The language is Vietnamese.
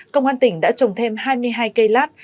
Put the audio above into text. công an tỉnh đã trồng thêm hai mươi hai cây lát